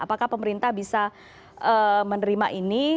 apakah pemerintah bisa menerima ini